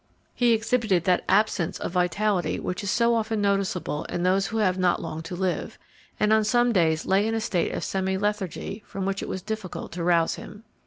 He exhibited that absence of vitality which is so often noticeable in those who have not long to live, and on some days lay in a state of semi lethargy from which it was difficult to rouse him.